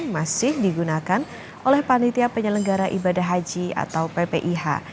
masih digunakan oleh panitia penyelenggara ibadah haji atau ppih